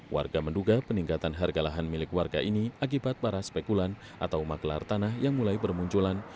warga menduga peningkatan harga lahan milik warga ini akibat para spekulan atau magelar tanah yang mulai bermunculan